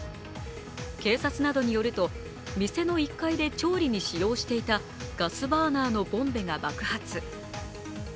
警察などによると店の１階で調理に使用していたガスバーナーのボンベが爆発。